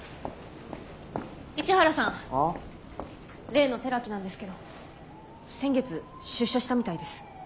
例の寺木なんですけど先月出所したみたいです。